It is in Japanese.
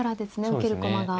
受ける駒が。